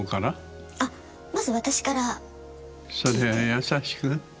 それは優しく？